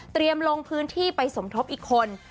เตรียมลงพื้นที่ไปสมทบอีกคน